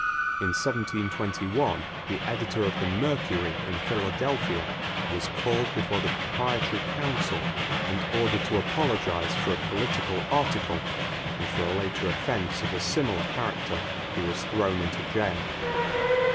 In 1721 the editor of the Mercury in Philadelphia was called before the proprietary council and ordered to apologize for a political article, and for a later offense of a similar character he was thrown into jail.